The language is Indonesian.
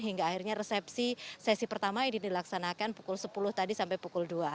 hingga akhirnya resepsi sesi pertama ini dilaksanakan pukul sepuluh tadi sampai pukul dua